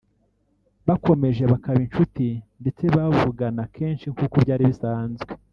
bakomeje bakaba inshuti ndetse bavugana kenshi nk’uko byari bisanzwe